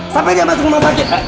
sampai dia masuk rumah sakit